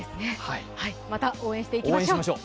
また、応援していきましょう。